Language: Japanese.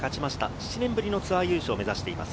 ７年ぶりのツアー優勝を目指しています。